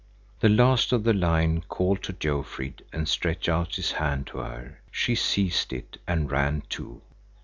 The last of the line called to Jofrid and stretched out his hand to her. She seized it and ran too.